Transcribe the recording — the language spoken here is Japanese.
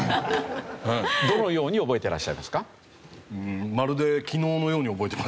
どのように覚えていらっしゃいますか？